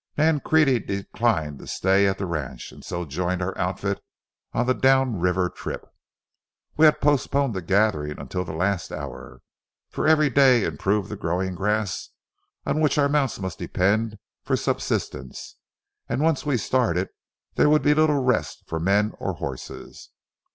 Nancrede declined to stay at the ranch and so joined our outfit on the down river trip. We had postponed the gathering until the last hour, for every day improved the growing grass on which our mounts must depend for subsistence, and once we started, there would be little rest for men or horses.